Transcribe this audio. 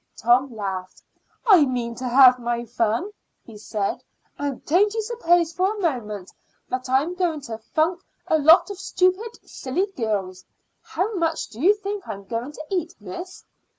Tom laughed. "I mean to have my fun," he said; "and don't you suppose for a moment I'm going to funk a lot of stupid, silly girls. How much do you think I'm going to eat, miss?"